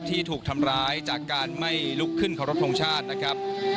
ที่ถูกทำร้ายจากการไม่ลุกขึ้นเคารพทงชาตินะครับ